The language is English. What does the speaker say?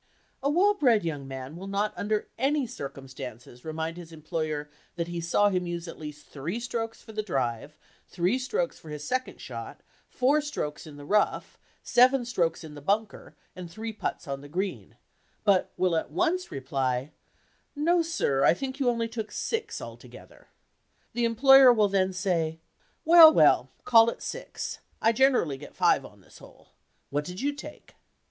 A well bred young man will not under any circumstances remind his employer that he saw him use at least three strokes for the drive, three strokes for his second shot, four strokes in the "rough," seven strokes in the "bunker," and three "putts" on the "green," but will at once reply, "No, sir, I think you only took six, altogether." The employer will then say, "Well, well, call it six. I generally get five on this hole. What did you take?"